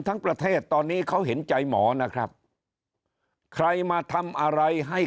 ประเทศตอนนี้เขาเห็นใจหมอนะครับใครมาทำอะไรให้